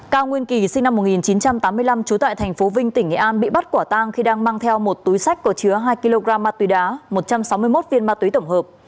cao nguyên kỳ sinh năm một nghìn chín trăm tám mươi năm trú tại tp vinh tỉnh nghệ an bị bắt quả tang khi đang mang theo một túi sách có chứa hai kg ma túy đá một trăm sáu mươi một viên ma túy tổng hợp